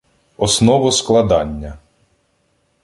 Основоскладання